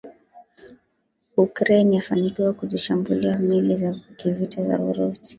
Ukraine yafanikiwa kuzishambulia meli za kivita za urusi.